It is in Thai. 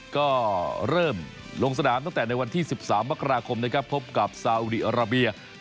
ก็เริ่มลงสะดามตั้งแต่ในวันที่๑๓มกราคมพบกับสาหุ่นีอาราเบีย